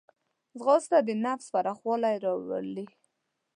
ځغاسته د نفس پراخوالی راولي